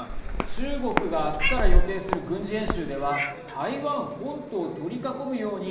中国が明日から予定する軍事演習では台湾本島を取り囲むように